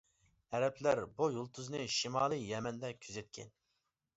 ئەرەبلەر بۇ يۇلتۇزنى شىمالى يەمەندە كۆزەتكەن.